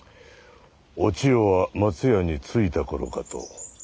お千代は松屋に着いた頃かと。